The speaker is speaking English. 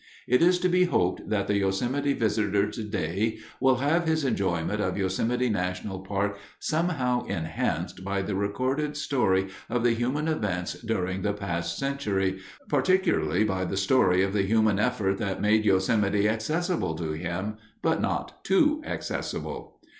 It is to be hoped that the Yosemite visitor today will have his enjoyment of Yosemite National Park somehow enhanced by the recorded story of the human events during the past century, particularly by the story of the human effort that made Yosemite accessible to him, but not too accessible.